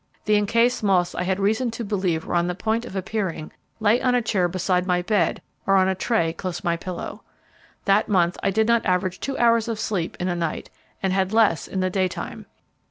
The encased moths I had reason to believe were on the point of appearing lay on a chair beside my bed or a tray close my pillow. That month I did not average two hours of sleep in a night, and had less in the daytime.